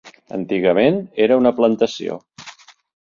Antigament era una plantació.